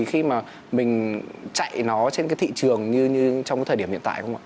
khi mà mình chạy nó trên cái thị trường như trong cái thời điểm hiện tại không ạ